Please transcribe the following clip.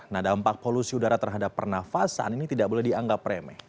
nah dampak polusi udara terhadap pernafasan ini tidak boleh dianggap remeh